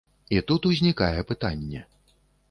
І тут узнікае пытанне.